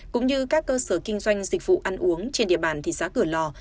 cũng như các cơ sở kinh doanh dịch vụ ăn uống trên địa bàn thị xã cửa lò